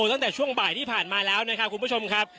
ตั้งแต่ช่วงบ่ายที่ผ่านมาแล้วนะครับคุณผู้ชมครับ